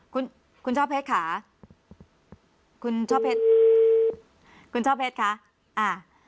คุณคุณช่อเพชรค่ะคุณช่อเพชรคุณช่อเพชรคะอ่า